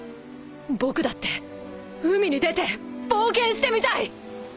僕だって海に出て冒険してみたい！